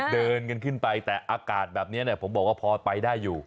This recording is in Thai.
เดินกันขึ้นไปแต่อากาศแบบนี้ผมบอกว่าพอไปได้อยู่